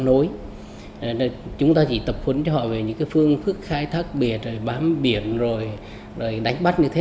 với những tri thức ứng xử con người và tâm thế